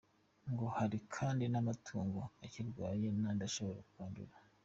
Ngo hari kandi n’amatungo akirwaye n’andi ashobora kwandura.